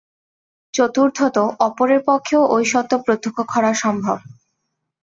চতুর্থত অপরের পক্ষেও ঐ সত্য প্রত্যক্ষ করা সম্ভব।